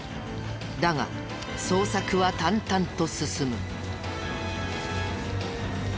だが捜索は淡々と進む。